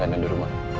tadi kan ya di rumah